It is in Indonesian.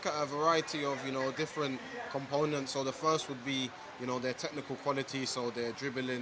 pertama mereka memiliki kemampuan untuk berhenti menang